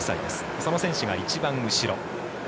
その選手が一番後ろ。